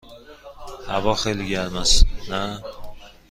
هوا خیلی گرم است، نه؟